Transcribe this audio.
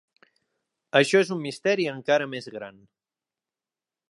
Això és un misteri encara més gran.